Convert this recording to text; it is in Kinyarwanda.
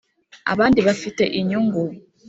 abandi bafite inyungu.